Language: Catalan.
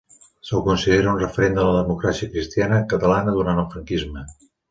Se'l considera un referent de la democràcia cristiana catalana durant el franquisme.